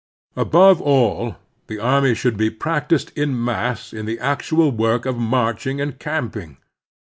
Above all, the army should be practised in mass in the actual work of march ing and camping.